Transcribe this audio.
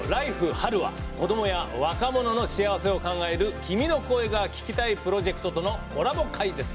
春」は子どもや若者の幸せを考える「君の声が聴きたい」プロジェクトとのコラボ回です。